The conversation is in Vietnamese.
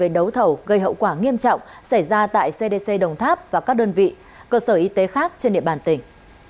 đấu thầu gây hậu quả nghiêm trọng xảy ra tại cdc đồng tháp và các đơn vị cơ sở y tế khác trên địa bàn tỉnh